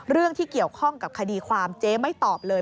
เรื่องที่เกี่ยวข้องกับคดีความเจ๊ไม่ตอบเลย